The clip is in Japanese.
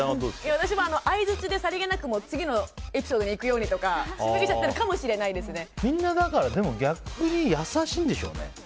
私も、相槌でさりげなく次のエピソードに行くようにとかみんな逆に優しいんでしょうね。